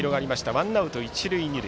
ワンアウト一塁二塁。